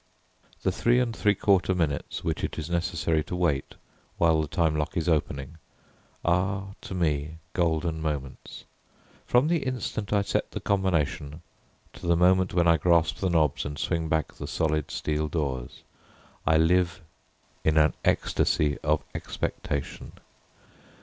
The three and three quarter minutes which it is necessary to wait, while the time lock is opening, are to me golden moments. From the instant I set the combination to the moment when I grasp the knobs and swing back the solid steel doors, I live in an ecstasy of expectation.